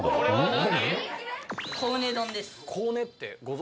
何？